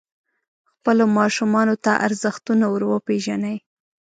خپلو ماشومانو ته ارزښتونه وروپېژنئ.